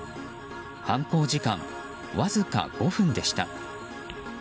犯行時間、わずか５分でした。